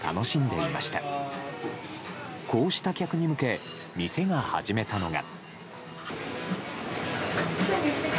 こうした客に向け店が始めたのが。